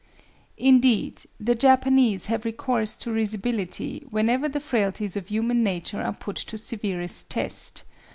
Indeed, the Japanese have recourse to risibility whenever the frailties of human nature are put to severest test.